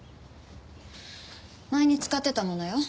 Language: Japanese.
前に使ってたものよ。